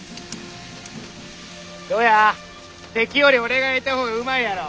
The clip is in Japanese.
どうやテキより俺が焼いた方がうまいやろ。